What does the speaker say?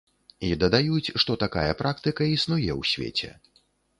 І дадаюць, што такая практыка існуе ў свеце.